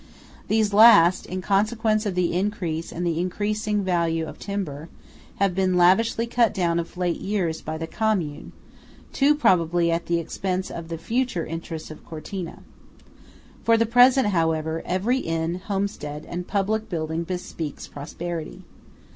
These last, in consequence of the increased and increasing value of timber, have been lavishly cut down of late years by the Commune–too probably at the expense of the future interests of Cortina. For the present, however, every inn, homestead, and public building bespeaks prosperity.